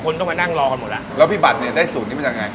ต้องมานั่งรอกันหมดแล้วแล้วพี่บัตรเนี่ยได้สูตรนี้มาจากไหน